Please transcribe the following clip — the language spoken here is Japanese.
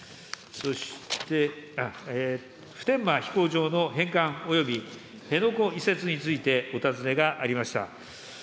そして普天間飛行場の返還および辺野古移設について、お尋ねがありました。